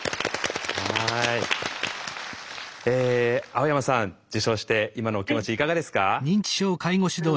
青山さん受賞して今のお気持ちいかがですか？